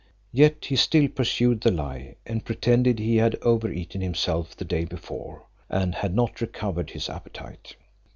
Yet he still pursued the lie, and pretended he had over eaten himself the day before, and had not recovered his appetite.